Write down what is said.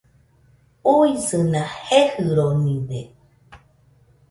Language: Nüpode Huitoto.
Uisɨna jejɨronide